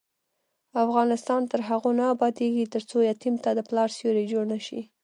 افغانستان تر هغو نه ابادیږي، ترڅو یتیم ته د پلار سیوری جوړ نشي.